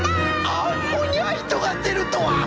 アンモニャイトがでるとは！